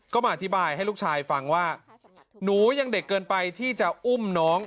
ก็มาอธิบายให้ลูกชายฟังว่าหนูยังเด็กเกินไปที่จะอุ้มน้อง